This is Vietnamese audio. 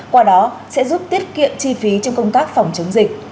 qua đó sẽ giúp tiết kiệm chi phí trong công tác phòng chống dịch